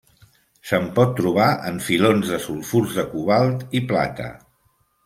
Se'n pot trobar en filons de sulfurs de cobalt i plata.